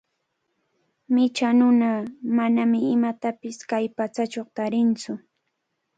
Micha nuna manami imatapish kay patsachaw tarinqatsu.